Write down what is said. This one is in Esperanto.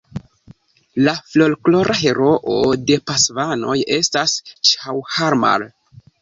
La folklora heroo de la Pasvanoj estas Ĉaŭharmal.